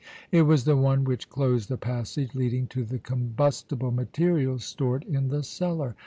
It was the one which closed the passage leading to the combustible materials stored in the cellar.